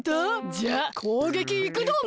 じゃあこうげきいくドン！